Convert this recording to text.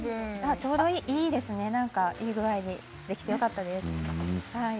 ちょうどいいですねいい具合にできてよかったです。